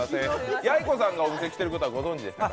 やいこさんがお店に来てることはご存じですか？